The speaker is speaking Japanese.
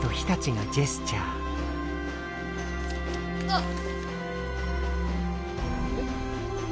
あっ。